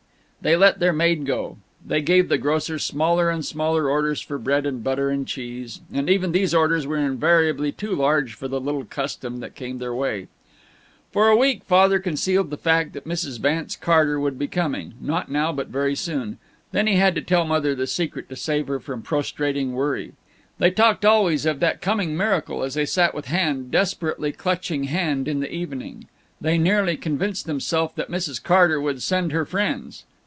They let their maid go. They gave the grocer smaller and smaller orders for bread and butter and cheese and even these orders were invariably too large for the little custom that came their way. For a week Father concealed the fact that Mrs. Vance Carter would be coming not now, but very soon. Then he had to tell Mother the secret to save her from prostrating worry. They talked always of that coming miracle as they sat with hand desperately clutching hand in the evening; they nearly convinced themselves that Mrs. Carter would send her friends.